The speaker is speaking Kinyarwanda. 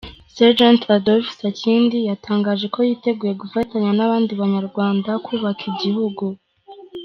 Sergent Adolf Sakindi yatangaje ko yiteguye gufatanya n’abandi Banyarwanda kubaka igihugu.